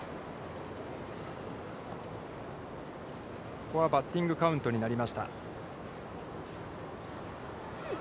ここはバッティングカウントになりました。